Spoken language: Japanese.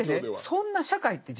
そんな社会って